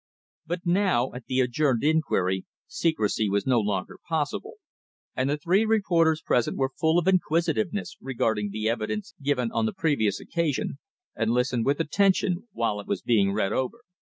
But now, at the adjourned inquiry, secrecy was no longer possible, and the three reporters present were full of inquisitiveness regarding the evidence given on the previous occasion, and listened with attention while it was being read over.